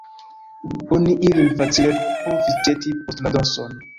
Oni ilin facile povis ĵeti post la dorson.